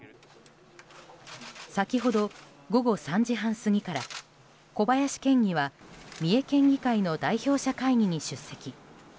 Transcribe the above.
先ほど午後３時半過ぎから小林県議は三重県議会の代表者会議に出席。